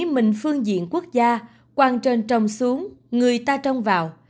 mình phương diện quốc gia quan trân trông xuống người ta trông vào